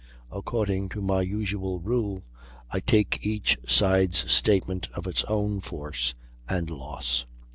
According to my usual rule, I take each side's statement of its own force and loss.